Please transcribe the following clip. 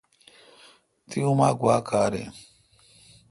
تی اومہ گوا کار این۔